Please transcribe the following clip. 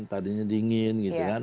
tadinya dingin gitu kan